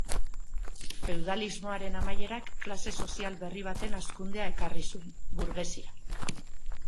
Feudalismoaren amaierak klase sozial berri baten hazkundea ekarri zuen: burgesia.